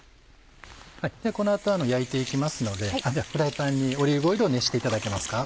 この後は焼いて行きますのでフライパンにオリーブオイルを熱していただけますか？